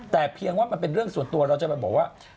แต่เพียงว่ามันเป็นเรื่องส่วนตัวเราจะมาบอกว่า